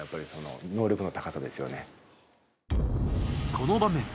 この場面。